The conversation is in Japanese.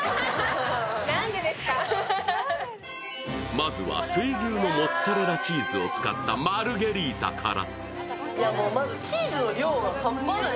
まずは水牛のモッツァレラチーズを使ったマルゲリータから。